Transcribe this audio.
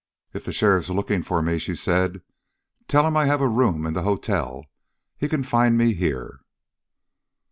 "If the sheriff's looking for me," she said, "tell him I have a room in the hotel. He can find me here."